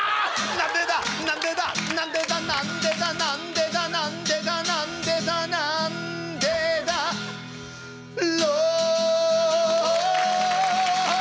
なんでだなんでだなんでだなんでだなんでだなんでだなんでだなんでだろう